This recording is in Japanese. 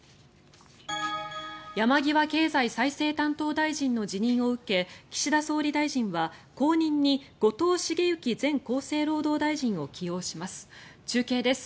山際経済再生担当大臣の辞任を受け岸田総理大臣は後任に後藤茂之前厚生労働大臣を起用します。